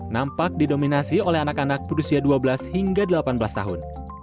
nampak didominasi oleh anak anak berusia dua belas hingga delapan belas tahun